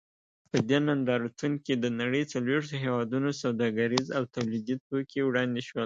په دې نندارتون کې د نړۍ څلوېښتو هېوادونو سوداګریز او تولیدي توکي وړاندې شول.